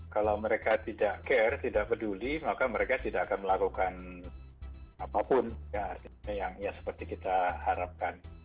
kalau mereka tidak care tidak peduli maka mereka tidak akan melakukan apapun yang seperti kita harapkan